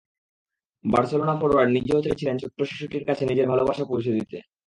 Barcelona forward নিজেও চাইছিলেন, ছোট্ট শিশুটির কাছে নিজের ভালোবাসা পৌঁছে দিতে।